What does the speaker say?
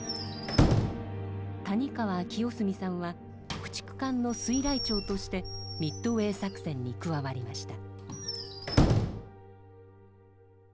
谷川清澄さんは駆逐艦の水雷長としてミッドウェー作戦に加わりました。